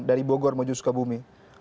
dari bogor menuju sukabumi